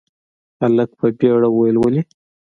هلک په بيړه وويل، ولې؟